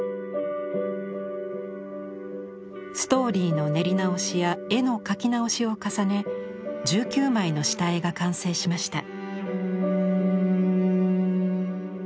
ストーリーの練り直しや絵の描き直しを重ね１９枚の下絵が完成しました。